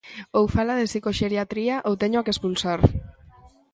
Ou fala de psicoxeriatría ou téñoa que expulsar.